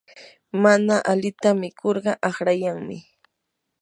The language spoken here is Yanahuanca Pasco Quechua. mana alita mikurqa haqrayankim.